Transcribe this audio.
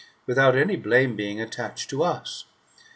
X57 any blame being attached to us.